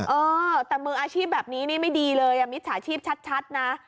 เออแต่มืออาชีพแบบนี้นี่ไม่ดีเลยมิจฉาชีพชัดนะ